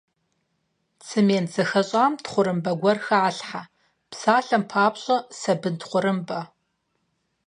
Цемент зэхэщӀам тхъурымбэ гуэр халъхьэ, псалъэм папщӀэ, сабын тхъурымбэ.